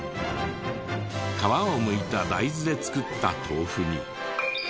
皮をむいた大豆で作った豆腐に。